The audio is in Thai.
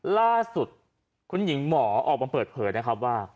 ล่าสุดคุณหญิงหมอออกมาเปิดเผยนะครับว่า